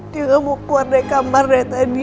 dia mau keluar dari kamar dari tadi